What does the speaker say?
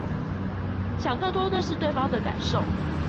想更多認識對方的感受